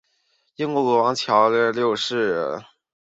英国国王乔治六世委任反对绥靖的邱吉尔出任首相。